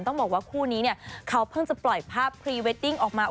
ต้องบอกว่าคู่นี้เนี่ยเขาเพิ่งจะปล่อยภาพพรีเวดดิ้งออกมา